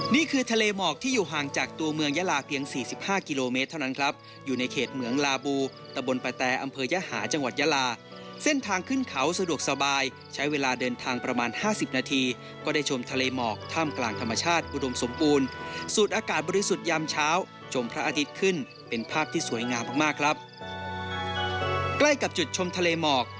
นี่คือทะเลหมอกที่อยู่ห่างจากตัวเมืองยาลาเตี๋ยง๔๕กิโลเมตรเท่านั้นครับอยู่ในเขตเหมืองลาบูตะบนปาแตรอำเภยหาจังหวัดยาลาเส้นทางขึ้นเขาสะดวกสบายใช้เวลาเดินทางประมาณ๕๐นาทีก็ได้ชมทะเลหมอกท่ามกลางธรรมชาติอุดมสมบูรณ์สูดอากาศบริสุทธิ์ยามเช้าชมพระอาทิตย์ขึ้นเป็